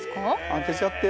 当てちゃって。